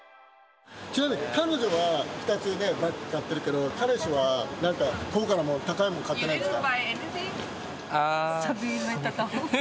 ちなみに彼女は２つね、バッグ買ってるけど、彼氏はなんか高価なもの、高いもの買ってないんですか？